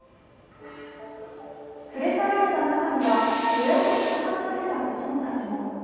連れ去られた中には、親と引き離された子供たちも。